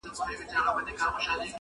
لوی مُلا یې وو حضور ته ور بللی!!